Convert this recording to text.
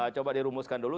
coba dirumuskan dulu